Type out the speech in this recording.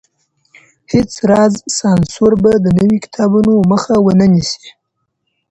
هيڅ راز سانسور به د نويو کتابونو مخه ونه نيسي.